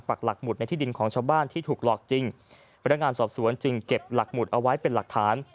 พนักงานสอบสวนจึงเก็บหลักหมุดเอาไว้เป็นหลักฐาน